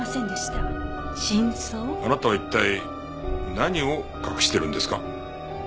あなたは一体何を隠してるんですか？